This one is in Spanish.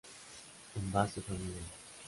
Envase familiar.